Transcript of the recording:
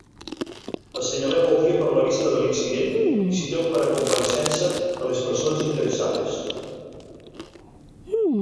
Assenyaleu el dia per a la vista de l'incident i citeu per a compareixença a les persones interessades.